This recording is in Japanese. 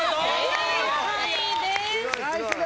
正解です。